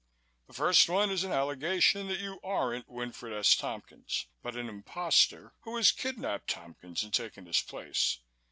"The first one is an allegation that you aren't Winfred S. Tompkins, but an imposter who has kidnapped Tompkins and taken his place.